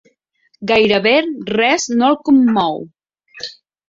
Gairebé res no el commou.